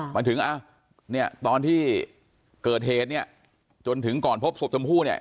มาถึงเนี่ยตอนที่เกิดเหตุเนี่ยจนถึงก่อนพบศพชมพู่เนี่ย